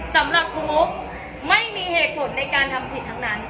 สำหรับมุกไม่มีเหตุผลในการทำผิดทั้งนั้น